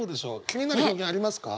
気になる表現ありますか？